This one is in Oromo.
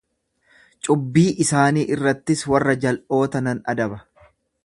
Cubbii isaanii irrattis warra jal’oota nan adaba.